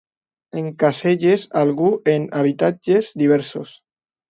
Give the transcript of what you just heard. Encaselles algú en habitatges diversos.